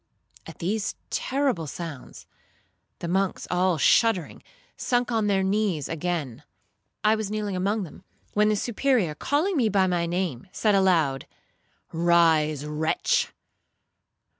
At these terrible sounds the monks, all shuddering, sunk on their knees again. I was kneeling among them, when the Superior, calling me by my name, said aloud, 'Rise, wretch!